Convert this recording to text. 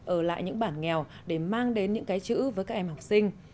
ở lại những bản nghèo để mang đến những cái chữ với các em học sinh